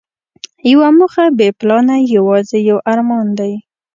یوه موخه بې پلانه یوازې یو ارمان دی.